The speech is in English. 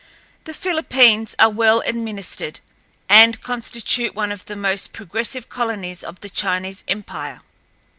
The Philippines are well administered, and constitute one of the most progressive colonies of the Chinese empire.